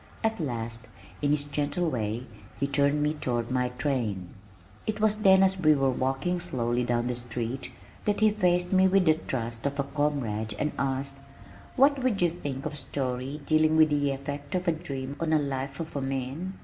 At last, in his gentle way, he turned me toward my train. It was then as we were walking slowly down the street, that he faced me with the trust of a comrade and asked, "What would you think of a story dealing with the effect of a dream on the life of a man?